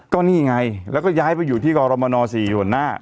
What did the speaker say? ก็นี่ไงแล้วก็ย้ายไปอยู่ที่กรมน๔หัวหน้า